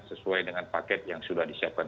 sesuai dengan paket yang sudah disiapkan